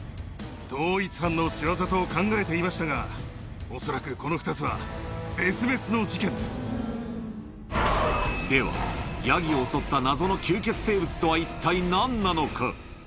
同一犯の仕業と考えていましたが、恐らく、この２つは別々の事件ででは、ヤギを襲った謎の吸血生物とは一体何なのか。